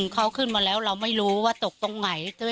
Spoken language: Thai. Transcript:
เขาขึ้นมาแล้วเราไม่รู้ว่าตกตรงไหน